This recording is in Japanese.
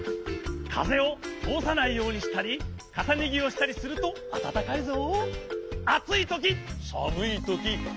かぜをとおさないようにしたりかさねぎをしたりするとあたたかいぞ！